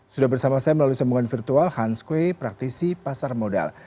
sudah bersama saya melalui sambungan virtual hans kue praktisi pasar modal